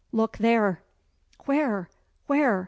Look there!" "Where? where?"